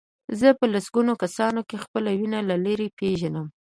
زه په سلګونه کسانو کې خپله وینه له لرې پېژنم.